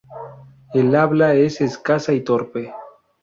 El habla es escasa y torpe.